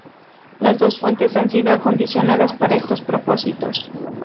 Las dos fuentes han sido acondicionadas para estos propósitos.